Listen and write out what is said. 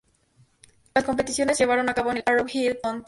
Las competiciones se llevaron a cabo en el Arrowhead Pond.